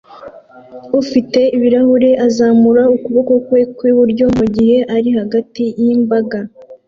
ufite ibirahure azamura ukuboko kwe kwi buryo mugihe ari hagati yimbaga